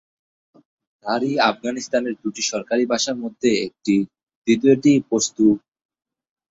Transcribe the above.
দারি আফগানিস্তানের দুইটি সরকারী ভাষার মধ্যে একটি; দ্বিতীয়টি পশতু।